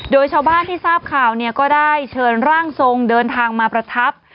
โดยชาวบ้านที่ทราบข่าวเนี่ยก็ได้เชิญร่างทรงเดินทางมาประทับ